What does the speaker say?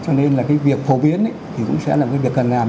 cho nên là cái việc phổ biến thì cũng sẽ là cái việc cần làm